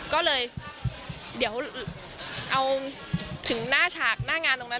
ก็เลยเดี๋ยวเอาถึงหน้าฉากหน้างานตรงนั้น